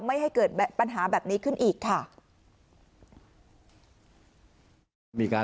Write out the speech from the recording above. ไม่ให้เกิดปัญหาแบบนี้ขึ้นอีกค่ะ